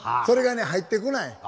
それがね入ってこない。